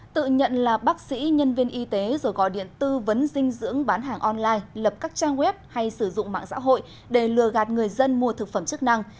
tự nhận là bác sĩ nhân viên y tế rồi gọi điện tư vấn dinh dưỡng bán hàng online lập các trang web hay sử dụng mạng xã hội để lừa gạt người dân mua thực phẩm chức năng